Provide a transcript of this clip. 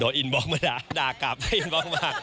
โดนอินบล็อกมาด่าด่ากลับได้อินบล็อกมา